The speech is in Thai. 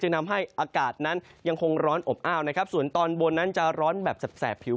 นำให้อากาศนั้นยังคงร้อนอบอ้าวนะครับส่วนตอนบนนั้นจะร้อนแบบแสบผิว